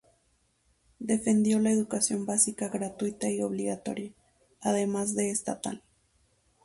Defendió la educación básica gratuita y obligatoria, además de estatal.